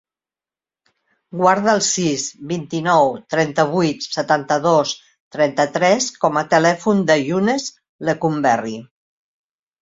Guarda el sis, vint-i-nou, trenta-vuit, setanta-dos, trenta-tres com a telèfon del Younes Lecumberri.